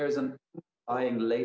jadi di sini ada permintaan yang